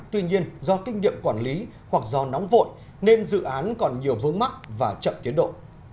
tuy nhiên do kinh nghiệm quản lý hoặc do nóng vội nên dự án còn nhiều vướng mắc và chậm tiến độ